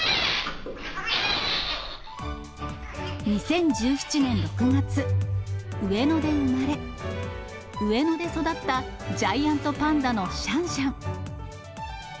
２０１７年６月、上野で生まれ、上野で育ったジャイアントパンダのシャンシャン。